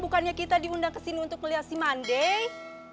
bukannya kita diundang ke sini untuk ngelihir si mandei